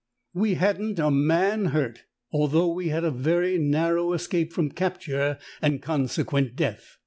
"We hadn't a man hurt, although we had a very narrow escape from capture and consequent death.